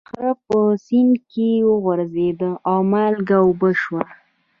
خر په سیند کې وغورځید او مالګه اوبه شوه.